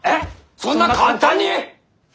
そんな簡単に！？